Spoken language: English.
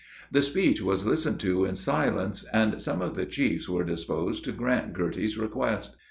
The speech was listened to in silence, and some of the chiefs were disposed to grant Girty's request.